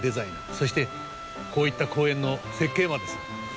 そしてこういった公園の設計までする。